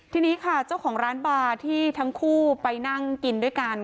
ทีนี้ค่ะเจ้าของร้านบาร์ที่ทั้งคู่ไปนั่งกินด้วยกัน